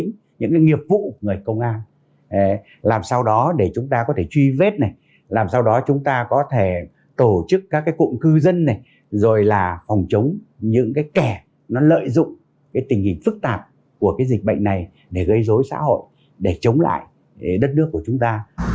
nó lợi dụng tình hình phức tạp của dịch bệnh này để gây dối xã hội để chống lại đất nước của chúng ta